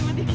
ya di situ